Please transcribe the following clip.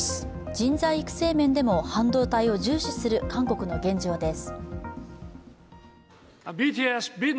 人材育成面でも半導体を重視する韓国の現状です。